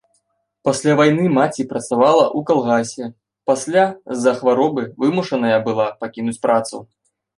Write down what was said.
Пасля вайны маці працавала ў калгасе, пасля з-за хваробы вымушаная была пакінуць працу.